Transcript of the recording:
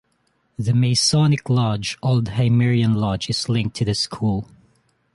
The Masonic lodge Old Hymerian Lodge is linked to the school.